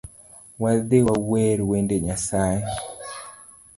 Wadhi wawer wende Nyasaye